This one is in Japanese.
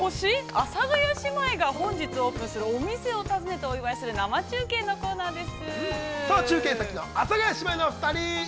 阿佐ヶ谷姉妹が本日オープンするお店を訪ねてお祝いする、生中継のコーナーです。